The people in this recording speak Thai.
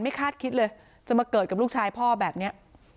คาดคิดเลยจะมาเกิดกับลูกชายพ่อแบบนี้